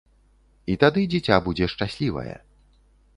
І тады дзіця будзе шчаслівае.